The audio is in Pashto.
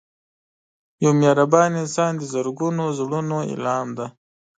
یو مهربان انسان د زرګونو زړونو الهام دی